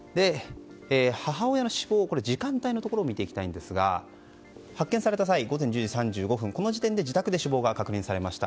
母親の死亡時間帯を見ていきたいんですが発見された際、午前１０時３５分この時点で自宅で死亡が確認されました。